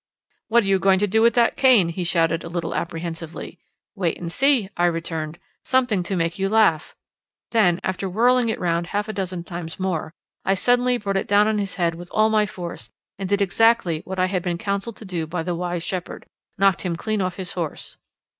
"What are you going to do with that cane?" he shouted, a little apprehensively. "Wait and see," I returned. "Something to make you laugh." Then, after whirling it round half a dozen times more, I suddenly brought it down on his head with all my force, and did exactly what I had been counselled to do by the wise shepherd knocked him clean off his horse.